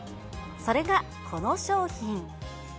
それがこの商品。